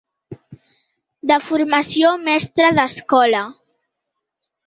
De formació, mestre d’escola.